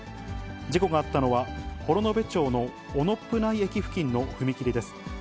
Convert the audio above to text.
事故があったのは、幌延町の雄信内駅付近の踏切です。